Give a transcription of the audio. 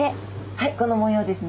はいこの模様ですね。